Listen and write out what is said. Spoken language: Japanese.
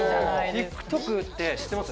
ＴｉｋＴｏｋって知ってます？